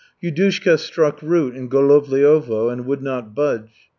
Yudushka struck root in Golovliovo and would not budge.